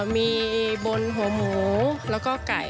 มีบนหัวหมูแล้วก็ไก่